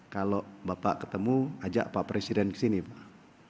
kalau bapak ketemu ajak pak presiden ke sini pak